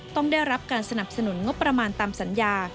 ต้องได้รับการสนับสนุนงบประมาณตามสัญญา